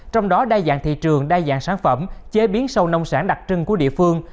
trong đó đa dạng thị trường đa dạng sản phẩm chế biến sâu nông sản đặc trưng của địa phương